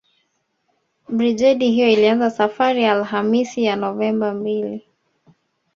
Brigedi hiyo ilianza safari Alhamisi ya Novemba mbili